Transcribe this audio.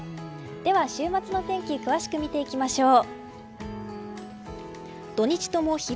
では週末のお天気詳しく見ていきましょう。